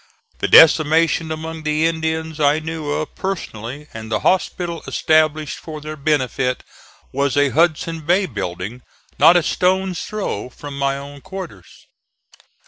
The decimation among the Indians I knew of personally, and the hospital, established for their benefit, was a Hudson's Bay building not a stone's throw from my own quarters.